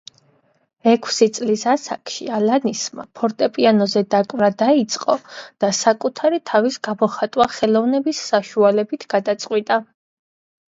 ექვსი წლის ასაკში, ალანისმა ფორტეპიანოზე დაკვრა დაიწყო და საკუთარი თავის გამოხატვა ხელოვნების საშუალებით გადაწყვიტა.